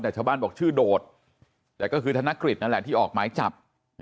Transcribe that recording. แต่ชาวบ้านบอกชื่อโดดแต่ก็คือธนกฤษนั่นแหละที่ออกหมายจับ